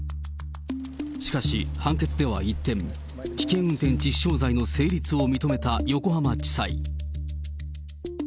しかし、判決では一転、危険運転致死傷罪の成立を認めた横浜地裁。